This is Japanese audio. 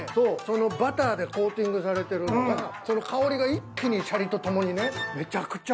バターでコーティングされてるのがその香りが一気にシャリとともにね。